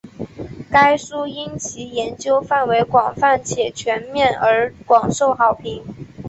该书因其研究范围广泛且全面而广受好评。